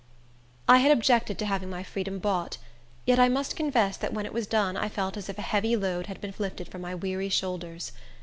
I had objected to having my freedom bought, yet I must confess that when it was done I felt as if a heavy load had been lifted from my weary shoulders.